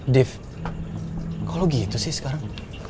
deve kalau gitu sih sekarang